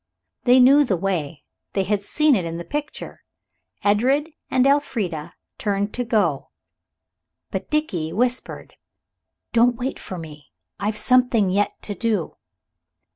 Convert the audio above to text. They knew the way. They had seen it in the picture. Edred and Elfrida turned to go. But Dickie whispered, "Don't wait for me. I've something yet to do."